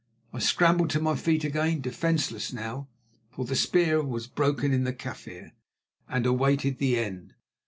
I scrambled to my feet again, defenceless now, for the spear was broken in the Kaffir, and awaited the end.